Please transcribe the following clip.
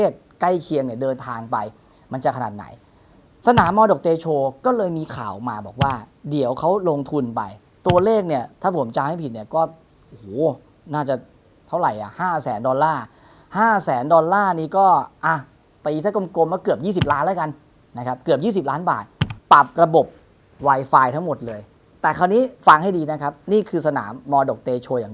สนามมดกเตชโชว์ก็เลยมีข่าวมาบอกว่าเดี๋ยวเขาลงทุนไปตัวเลขเนี่ยถ้าผมจางให้ผิดเนี่ยก็โอ้โหน่าจะเท่าไหร่อ่ะห้าแสนดอลลาร์ห้าแสนดอลลาร์นี่ก็อ่ะไปซะกลมกลมมาเกือบยี่สิบล้านแล้วกันนะครับเกือบยี่สิบล้านบาทปรับระบบไวไฟทั้งหมดเลยแต่คราวนี้ฟังให้ดีนะครับนี่คือสนามมดกเตชโ